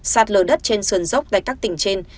sạt lở đất trên sườn dốc tại các tỉnh trên